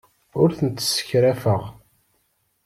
Ur tent-ssekrafeɣ.